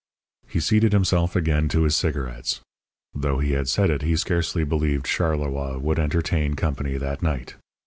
He seated himself again to his cigarettes. Though he had said it, he scarcely believed Charleroi would entertain company that night.